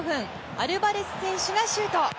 アルバレス選手がシュート。